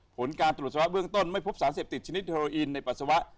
ผลการตรวจสวะเบื้องต้นไม่พบสารเสพติดชนิดเฮโรอีนในปัสสาวะ